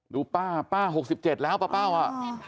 ดูป้าป้าหกสิบเจ็ดแล้วป้าเป้าอ่ะ